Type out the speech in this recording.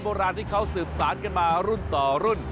โบราณที่เขาสืบสารกันมารุ่นต่อรุ่น